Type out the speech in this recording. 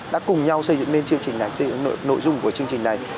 đã cùng nhau xây dựng lên chương trình này xây dựng nội dung của chương trình này